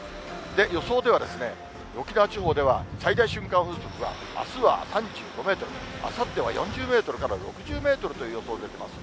予想では、沖縄地方では、最大瞬間風速があすは３５メートル、あさっては４０メートルから６０メートルという予想が出てます。